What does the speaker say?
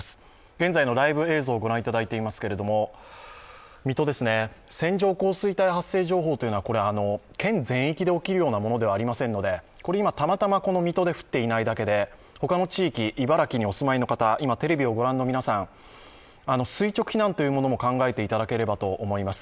現在のライブ映像をご覧いただいていますけれども、水戸ですね、線状降水帯発生情報というのは県全域で起きるようなものではありませんので、今たまたま水戸で降っていないだけでほかの地域、茨城にお住まいの方、今、テレビをご覧の皆さん、垂直避難というのも考えていただければと思います。